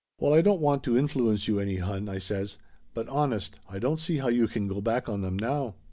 "Well, I don't want to influence you any, hon," I says, "but honest, I don't see how you can go back on them now."